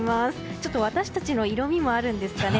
ちょっと私たちの色みもあるんですかね。